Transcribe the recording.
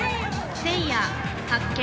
せいや発見。